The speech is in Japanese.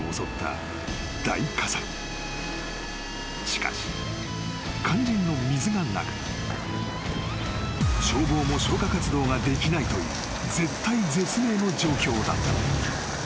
［しかし肝心の水がなく消防も消火活動ができないという絶体絶命の状況だった］